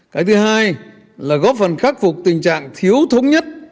cái thứ hai là góp phần khắc phục tình trạng thiếu thống nhất